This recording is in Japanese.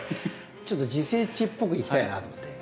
ちょっと自生地っぽくいきたいなと思って。